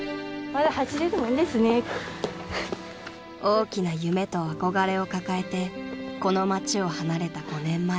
［大きな夢と憧れを抱えてこの街を離れた５年前］